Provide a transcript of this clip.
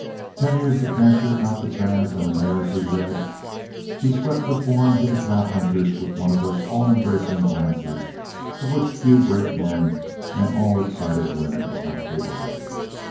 Ten years to capture Alcatraz and the mares he led? She swept the forms of the cowpunchers with one of those all embracing glances of which few great men and all excited women are capable.